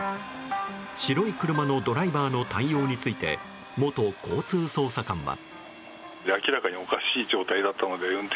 白い車のドライバーの対応について元交通捜査官は。